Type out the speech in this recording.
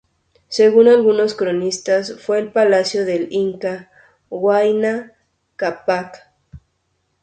Según algunos cronistas fue el palacio del inca Huayna Cápac.